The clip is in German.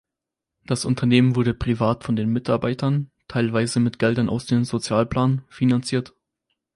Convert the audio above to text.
Das Unternehmen wurde privat von den Mitarbeitern, teilweise mit Geldern aus dem Sozialplan, finanziert.